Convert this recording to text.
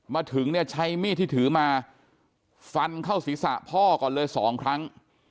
มาถึงเนี่ยใช้มีดที่ถือมาฟันเข้าศีรษะพ่อก่อนเลยสองครั้ง